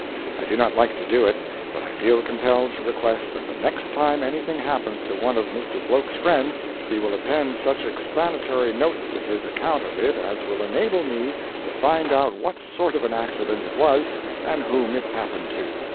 I do not like to do it, but I feel compelled to request that the next time anything happens to one of Mr. Bloke's friends, he will append such explanatory notes to his account of it as will enable me to find out what sort of an accident it was and whom it happened to.